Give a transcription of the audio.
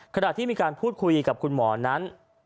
ขณะที่มีการพูดคุยกับคุณหมอนั้น